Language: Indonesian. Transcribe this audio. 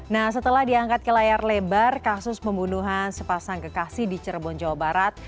nah setelah diangkat ke layar lebar kasus pembunuhan sepasang kekasih di cirebon jawa barat